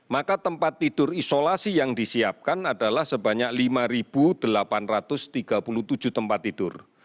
maka tempat tidur isolasi yang disiapkan adalah sebanyak lima delapan ratus tiga puluh tujuh tempat tidur